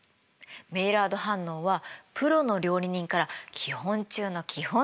メイラード反応はプロの料理人から基本中の基本といわれてるの。